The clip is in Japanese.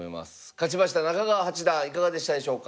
勝ちました中川八段いかがでしたでしょうか。